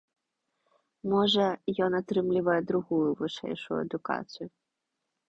Можа, ён атрымлівае другую вышэйшую адукацыю.